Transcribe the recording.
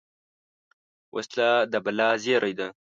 وسله د بلا زېری ده